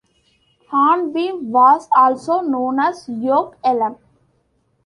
Hornbeam was also known as 'Yoke Elm'.